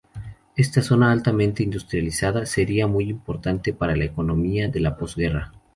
Esta zona altamente industrializada sería muy importante para la economía de la posguerra.